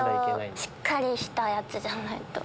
しっかりしたやつじゃないと。